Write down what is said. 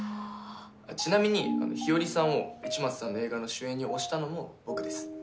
ちなみに日和さんを市松さんの映画の主演に推したのも僕です。